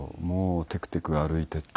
テクテク歩いていって。